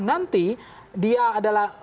nanti dia adalah